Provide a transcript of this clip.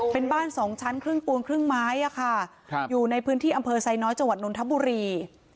เป็นบ้านสองชั้นครึ่งปูนครึ่งไม้ค่ะอยู่ในพื้นที่อำเภอไซน้อยจังหวัดนทบุรี